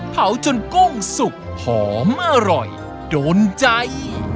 เผาจนกุ้งสุกหอมอร่อยโดนใจ